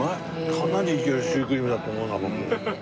かなりいけるシュークリームだと思うな本当に。